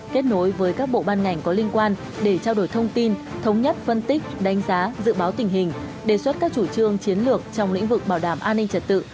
kết nối với các bộ ban ngành có liên quan để trao đổi thông tin thống nhất phân tích đánh giá dự báo tình hình đề xuất các chủ trương chiến lược trong lĩnh vực bảo đảm an ninh trật tự